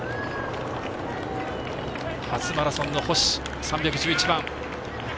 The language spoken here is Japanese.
初マラソンの星、３１１番。